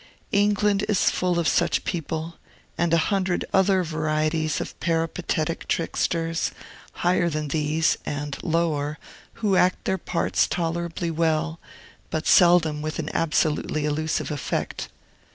England is full of such people, and a hundred other varieties of peripatetic tricksters, higher than these, and lower, who act their parts tolerably well, but seldom with an absolutely illusive effect.